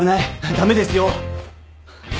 駄目ですよ！